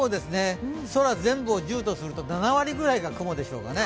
空全部を１０とすると７割ぐらいが雲でしょうか。